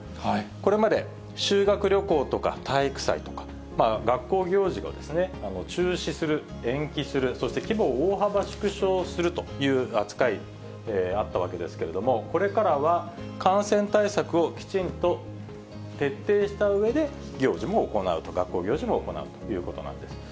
これまで修学旅行とか、体育祭とか、学校行事も中止する、延期する、そして規模を大幅縮小するという扱い、あったわけですけれども、これからは、感染対策をきちんと徹底したうえで行事も行うと、学校行事も行うということなんですね。